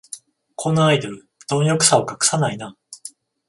このアイドル、どん欲さを隠さないな